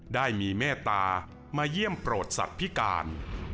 ได้มีเมตตามาเยี่ยมโปรดสัตว์พิการ